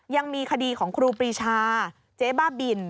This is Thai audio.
ยังมีคดีของครูปรีชาเจ๊บ้าบิน